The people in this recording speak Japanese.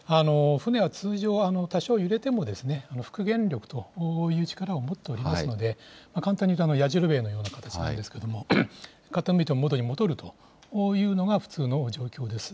船は通常、多少揺れても、復原力という力を持っておりますので、簡単に言うとやじろべえのような形なんですけれども、傾いても元に戻るというのが普通の状況です。